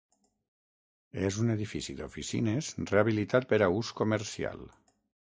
És un edifici d'oficines rehabilitat per a ús comercial.